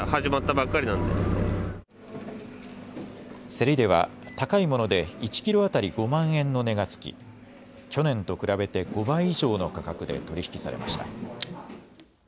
競りでは高いもので１キロ当たり５万円の値がつき去年と比べて５倍以上の価格で取り引きされました。